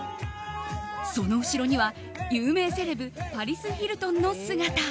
その後ろには有名セレブパリス・ヒルトンの姿。